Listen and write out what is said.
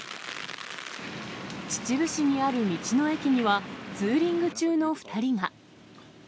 秩父市にある道の駅には、ツーリング中の２人が。